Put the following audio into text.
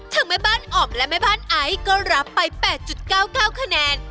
แม่บ้านอ่อมและแม่บ้านไอซ์ก็รับไป๘๙๙คะแนน